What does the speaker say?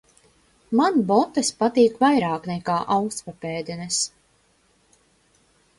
Man botes patīk vairāk nekā augstpapēdenes.